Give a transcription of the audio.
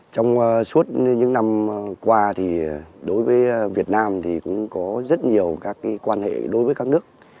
trong suốt những năm qua thì đối với việt nam thì cũng có rất nhiều các quan hệ đối với các nước